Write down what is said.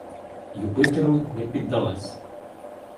Юпитеру не піддалась;